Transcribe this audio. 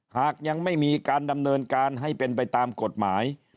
หากยังไม่มีการดำเนินการให้เป็นไปตามกฎหมาย